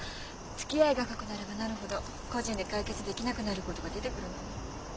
つきあいが深くなればなるほど個人で解決できなくなることが出てくるのよ。